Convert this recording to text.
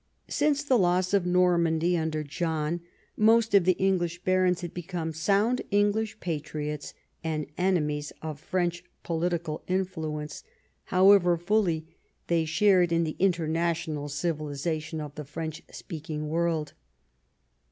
Since the loss of Nor mandy under John, most of the English barons had become sound Englisli patriots and enemies of French political influence, however fully they shared in I EARLY YEARS 5 the international civilisation of the French speaking world.